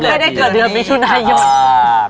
ไม่ได้เกิดเดือนมิถุนายน